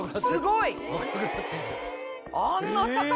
すごい。